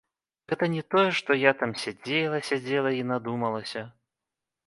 Гэта не тое што я там сядзела, сядзела і надумалася.